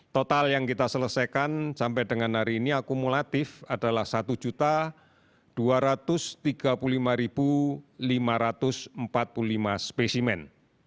total yang kita selesaikan sampai dengan hari ini akumulatif adalah satu dua ratus tiga puluh lima lima ratus empat puluh lima spesimen